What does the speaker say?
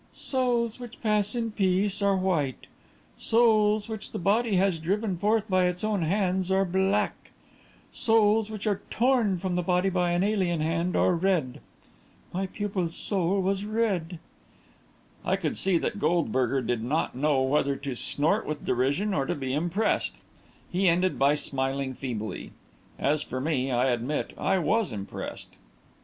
"Souls which pass in peace are white; souls which the body has driven forth by its own hands are black; souls which are torn from the body by an alien hand are red. My pupil's soul was red." I could see that Goldberger did not know whether to snort with derision or to be impressed. He ended by smiling feebly. As for me, I admit I was impressed.